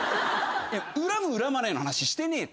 恨む恨まないの話してねえと。